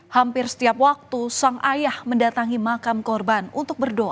hampir setiap waktu sang ayah mendatangi makam korban untuk berdoa